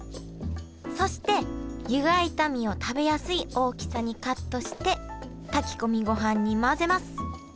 そして湯がいた身を食べやすい大きさにカットして炊き込みごはんに混ぜます。